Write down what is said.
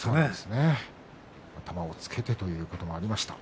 頭をつけてということになりました。